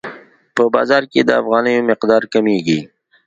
په بازار کې د افغانیو مقدار کمیږي.